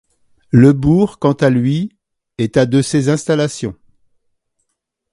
Le bourg quant à lui est à de ces installations.